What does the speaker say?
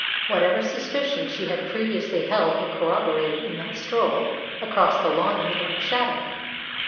Whatever suspicions she had previously held were corroborated in that stroll across the lawn in the dark shadow.